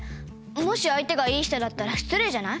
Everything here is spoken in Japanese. もし相手がいい人だったらしつれいじゃない？